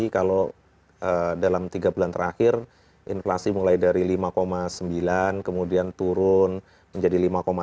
kalau dalam tiga bulan terakhir inflasi mulai dari lima sembilan kemudian turun menjadi lima enam